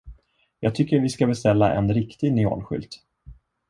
Jag tycker vi ska beställa en riktig neonskylt.